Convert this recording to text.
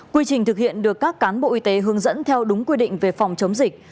quy trình thực hiện được các cán bộ y tế hướng dẫn theo đúng quy định về phòng chống dịch